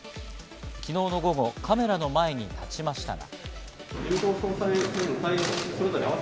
昨日の午後カメラの前に立ちましたが。